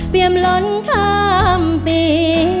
เปรียบหล่นข้ามปี